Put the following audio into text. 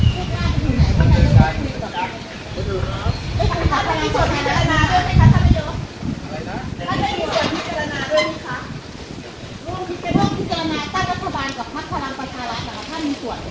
โรงพิการณาต้านรัฐบาลกับภาครังประชาลรัฐฐานมีส่วน